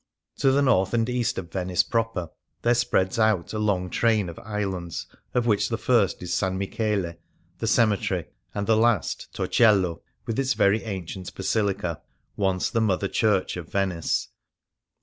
To the north and east of Venice proper there spreads out a long train of islands, of which the first is San Michele, the cemetery^ and the last Torcello, with its very ancient basilica, once the mother church of Venice.